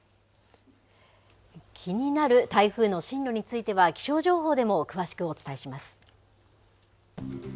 気になる台風の進路については気象情報でも詳しくお伝えします。